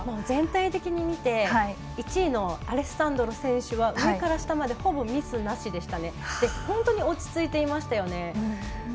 全体的に見て１位のアレッサンドロ選手は上から下までほぼミスなしで落ち着いていましたね。